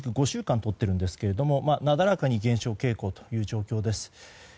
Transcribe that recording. ５週間をとってるんですけどなだらかに減少傾向という状況です。